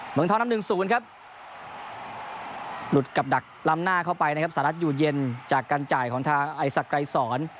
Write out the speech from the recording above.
เมืองทองนำ๑๐ครับหลุดกับดักล้ำหน้าเข้าไปนะครับสหรัฐอยู่เย็นจากการจ่ายของทางไอศักดรายสอน